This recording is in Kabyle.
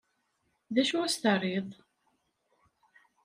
D acu i s-terriḍ?